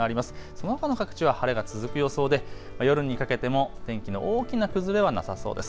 その他の各地は晴れが続く予想で夜にかけても天気の大きな崩れはなさそうです。